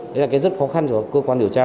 đấy là cái rất khó khăn cho cơ quan điều tra